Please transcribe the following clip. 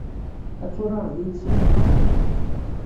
Ad turareḍ yid-sent?